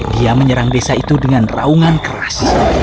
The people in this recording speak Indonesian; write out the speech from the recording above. dia menyerang desa itu dengan raungan keras